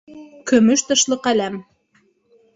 Көмөш тышлы ҡәләм.